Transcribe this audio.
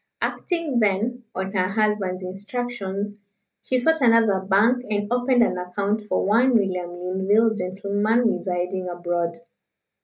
Acting, then, on her husband's instructions, she sought another bank and opened an account for one William Linville, gentleman, residing abroad.